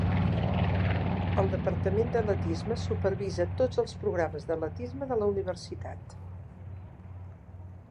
El Departament d'atletisme supervisa tots els programes d'atletisme de la Universitat.